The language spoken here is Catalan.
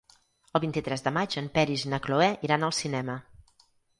El vint-i-tres de maig en Peris i na Cloè iran al cinema.